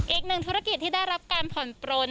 อีกหนึ่งธุรกิจที่ได้รับการผ่อนปลน